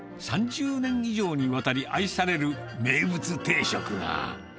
３０年以上にわたり愛される、名物定食が。